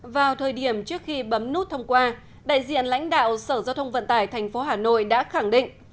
vào thời điểm trước khi bấm nút thông qua đại diện lãnh đạo sở giao thông vận tải tp hà nội đã khẳng định